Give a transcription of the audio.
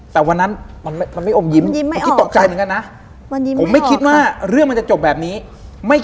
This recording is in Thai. แต่วันนั้นมันไม่อมยิ้มคิดตกใจเหมือนกันนะผมไม่คิดว่าเรื่องมันจะจบแบบนี้ไม่